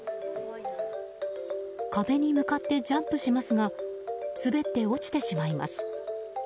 壁に向かってジャンプしますが滑って落ちてしまいます。